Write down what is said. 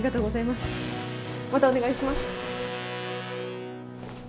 またお願いします。